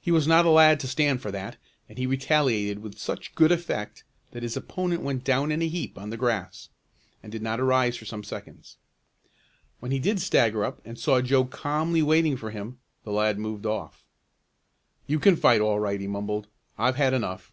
He was not a lad to stand for that and he retaliated with such good effect that his opponent went down in a heap on the grass, and did not arise for some seconds. When he did stagger up, and saw Joe calmly waiting for him, the lad moved off. "You can fight all right," he mumbled. "I've had enough."